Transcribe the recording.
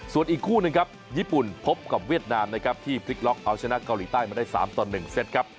ส่วนอีกคู่หนึ่งครับญี่ปุ่นพบกับเวียดนามนะครับที่พลิกล็อกเอาชนะเกาหลีใต้มาได้๓ต่อ๑เซตครับ